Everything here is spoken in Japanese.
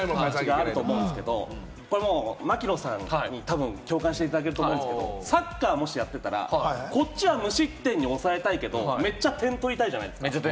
槙野さん、たぶん共感していただけると思うんですけれど、サッカーをもしやっていたら、こっちは無失点に抑えたいけれども、めっちゃ点取りたいじゃないですか。